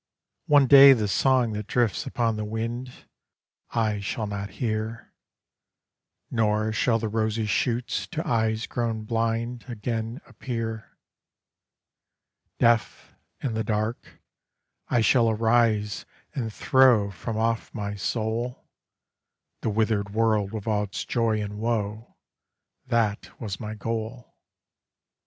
One day the song that drifts upon the wind, I shall not hear; Nor shall the rosy shoots to eyes grown blind Again appear. Deaf, in the dark, I shall arise and throw From off my soul, The withered world with all its joy and woe, That was my goal.